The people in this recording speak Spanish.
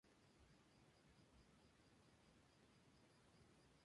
Es hija de Arthur Weaver y Edith Simpson, tiene un hermano Rod Weaver.